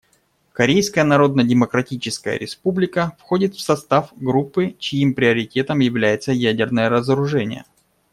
Корейская Народно-Демократическая Республика входит в состав группы, чьим приоритетом является ядерное разоружение.